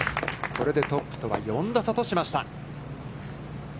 これでトップとは４打差としました。